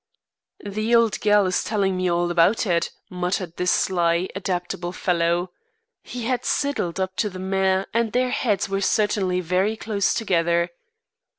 "The old gal is telling me all about it," muttered this sly, adaptable fellow. He had sidled up to the mare and their heads were certainly very close together.